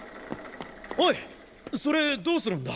おいそれどうするんだ？